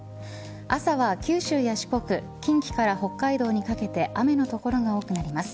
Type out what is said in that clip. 朝は九州や四国近畿から北海道にかけて雨の所が多くなります。